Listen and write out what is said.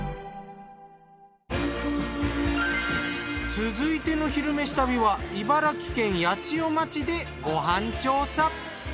続いての「昼めし旅」は茨城県八千代町でご飯調査。